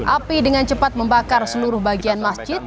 api dengan cepat membakar seluruh bagian masjid